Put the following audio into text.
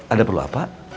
ada perlu apa